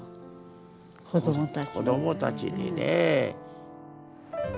子どもたちにねえ。